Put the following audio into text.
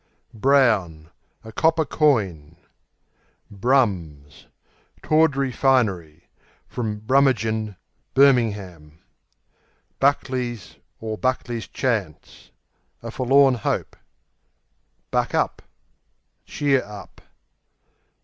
Brown A copper coin. Brums Tawdry finery (From Brummagem Birmingham). Buckley's (Chance) A forlorn hope. Buck up Cheer up.